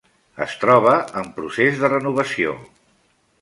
Es troba en procés de renovació.